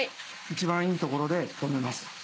一番いいところで止めます。